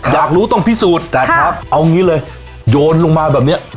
อยากรู้ต้องพิสูจน์แต่ครับเอางี้เลยโยนลงมาแบบเนี้ย